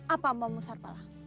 apa mamu sarpala